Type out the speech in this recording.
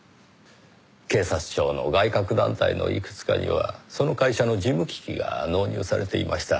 警察庁の外郭団体のいくつかにはその会社の事務機器が納入されていました。